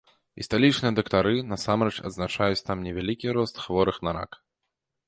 І сталічныя дактары насамрэч адзначаюць там невялікі рост хворых на рак.